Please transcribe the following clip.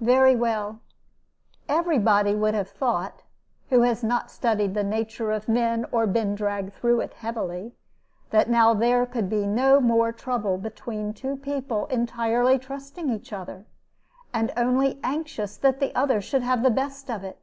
Very well. Every body would have thought, who has not studied the nature of men or been dragged through it heavily, that now there could be no more trouble between two people entirely trusting each other, and only anxious that the other should have the best of it.